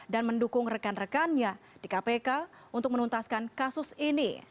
dan mendukung rekan rekannya di kpk untuk menuntaskan kasus ini